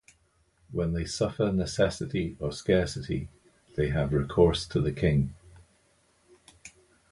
When they suffer necessity or scarcity they have recourse to the king.